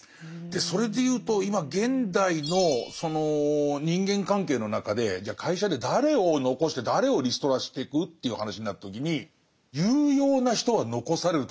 それで言うと今現代のその人間関係の中でじゃあ会社で誰を残して誰をリストラしてく？という話になった時に有用な人は残されると思うんですよ。